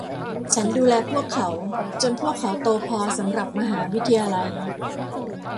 ฉันดูแลพวกเขาจนพวกเขาโตพอสำหรับมหาวิทยาลัย